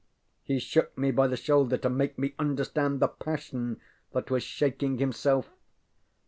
ŌĆÖŌĆØ He shook me by the shoulder to make me understand the passion that was shaking himself.